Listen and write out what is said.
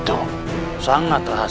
bisa gagal semua rejaku